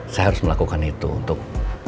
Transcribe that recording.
saya harus melakukan itu untuk